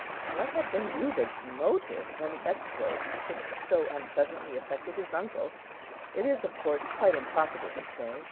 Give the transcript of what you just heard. What had been Juba's motive in the exploit which so unpleasantly affected his uncle, it is of course quite impossible to say.